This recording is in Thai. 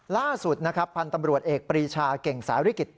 ล่าสุดนะครับพันธ์ตำรวจเอกปรีชาเก่งสาริกิจ